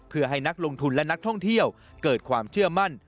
เพื่อให้นักลงทุนและนักท่องเที่ยวเกิดความเชื่อมั่น